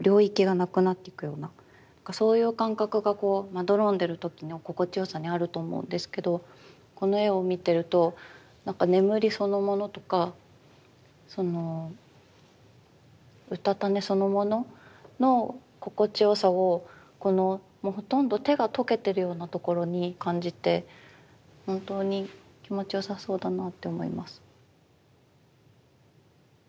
そういう感覚がこうまどろんでる時の心地よさにあると思うんですけどこの絵を見てるとなんか眠りそのものとかそのうたた寝そのものの心地よさをこのもうほとんど手が溶けてるようなところに感じて本当に気持ちよさそうだなって思います。